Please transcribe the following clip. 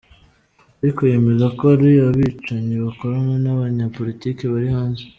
Ariko yemeza ko ari abicanyi bakorana n'abanyepolitike bari hanze.